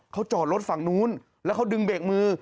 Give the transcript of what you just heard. เขาจอดรถฝั่งนู้นแล้วเขาดึงเบรกมือ